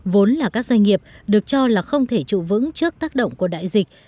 vốn là các doanh nghiệp được cho là không thể trụ vững trước tác động của đại dịch